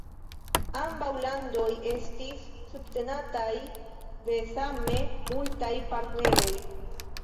Ambaŭ landoj estis subtenataj de same multaj partneroj.